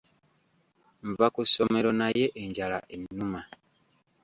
Nva ku ssomero naye enjala ennuma.